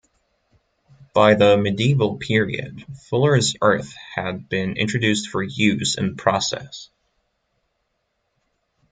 By the medieval period, fuller's earth had been introduced for use in the process.